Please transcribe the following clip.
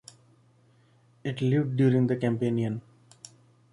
It lived during the Campanian.